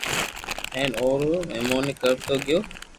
ھين او رو مھموني ڪرتو گيو